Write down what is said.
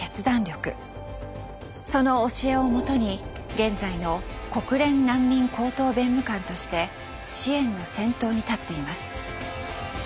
その教えをもとに現在の国連難民高等弁務官として支援の先頭に立っています。